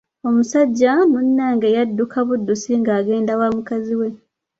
Omusajja munnange yadduka buddusi nga agenda wa mukazi we.